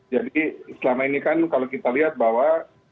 jadi selama ini kan kalau kita lihat bahwa